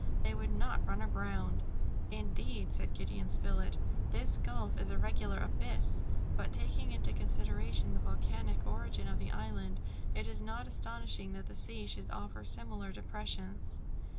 They would not run aground!" "Indeed," said Gideon Spilett, "this gulf is a regular abyss; but, taking into consideration the volcanic origin of the island, it is not astonishing that the sea should offer similar depressions."